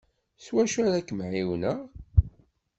S wacu ara kem-ɛiwneɣ?